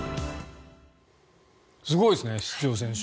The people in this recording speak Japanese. すごいですね出場選手。